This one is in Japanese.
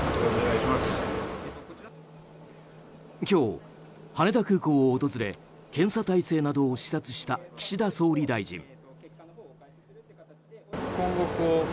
今日、羽田空港を訪れ検査体制などを視察した岸田総理大臣。